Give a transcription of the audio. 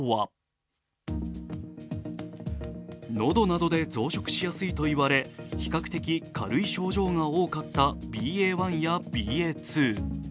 喉などで増殖しやすいといわれ比較的軽い症状が多かったＢＡ．１やＢＡ．２。